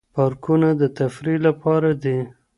پارکونه د تفريح لپاره دي.